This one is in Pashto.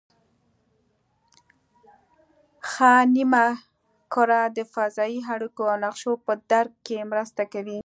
ښي نیمه کره د فضایي اړیکو او نقشو په درک کې مرسته کوي